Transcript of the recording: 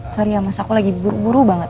sorry ya mas aku lagi buru buru banget